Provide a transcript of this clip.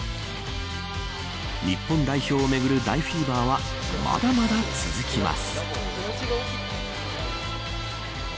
日本代表をめぐる大フィーバーはまだまだ続きます。